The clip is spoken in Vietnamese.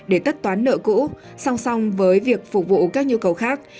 để tất toán nợ cũ song song với việc phục vụ các nhu cầu khác